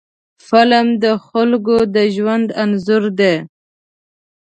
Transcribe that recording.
فلم د خلکو د ژوند انځور دی